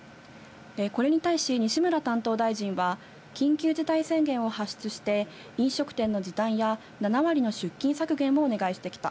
これに対し西村担当大臣は緊急事態宣言を発出して、飲食店の時短や７割の出勤削減をお願いしてきた。